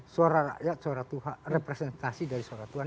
suara rakyat suara tuhan representasi dari suara tuhan